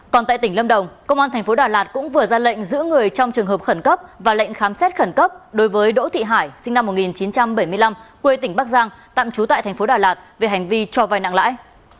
còn tại tỉnh lâm đồng công an thành phố đà lạt cũng vừa ra lệnh giữ người trong trường hợp khẩn cấp và lệnh khám xét khẩn cấp đối với đỗ thị hải sinh năm một nghìn chín trăm bảy mươi năm quê tỉnh bắc giang tạm trú tại thành phố đà lạt về hành vi cho vai nặng lãi